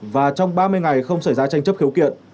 và trong ba mươi ngày không xảy ra tranh chấp khiếu kiện